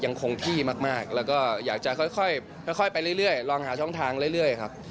คงที่มากแล้วก็อยากจะค่อยไปเรื่อยลองหาช่องทางเรื่อยครับ